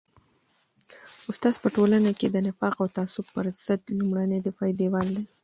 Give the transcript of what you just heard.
استاد په ټولنه کي د نفاق او تعصب پر ضد لومړنی دفاعي دیوال دی.